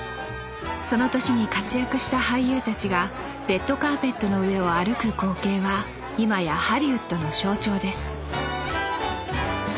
その年に活躍した俳優たちがレッドカーペットの上を歩く光景はいまやハリウッドの象徴です